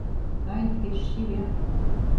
АЙ, ПЕШ ЧЕВЕР...